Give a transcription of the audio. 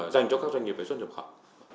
dành cho các doanh nghiệp về xuất nhập khẩu